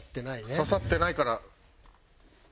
刺さってないから。